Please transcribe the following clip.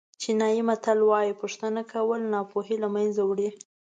چینایي متل وایي پوښتنه کول ناپوهي له منځه وړي.